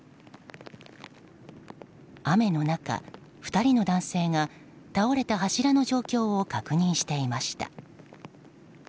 雨の中、２人の男性が倒れた柱の状況を確認していました。